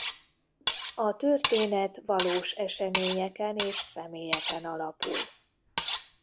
A történet valós eseményeken és személyeken alapul.